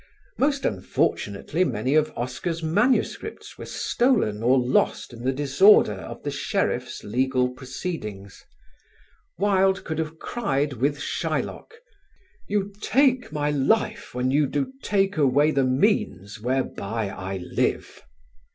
Most unfortunately many of Oscar's MSS. were stolen or lost in the disorder of the sheriff's legal proceedings. Wilde could have cried, with Shylock, "You take my life when you do take away the means whereby I live."